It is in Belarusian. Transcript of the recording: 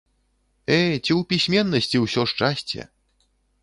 Э, ці ў пісьменнасці ўсё шчасце?